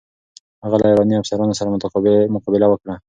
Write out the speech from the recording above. هغه له ایراني افسرانو سره مقابله وکړه.